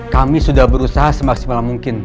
kami sudah berusaha semaksimal mungkin